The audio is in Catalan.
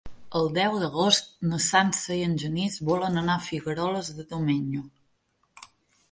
El deu d'agost na Sança i en Genís volen anar a Figueroles de Domenyo.